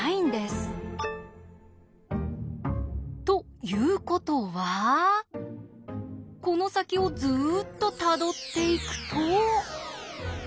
ということはこの先をずっとたどっていくと。